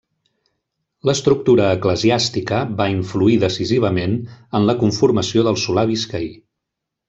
L'estructura eclesiàstica va influir decisivament en la conformació del solar biscaí.